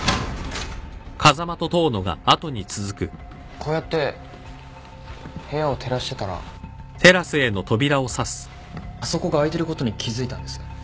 こうやって部屋を照らしてたらあそこが開いてることに気付いたんです。